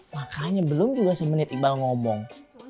makanya belum juga semenit iqbal ngomong